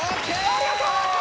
ありがとう！